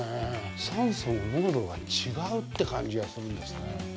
酸素の濃度が違うって感じがするんですね。